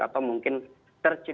atau mungkin tercedera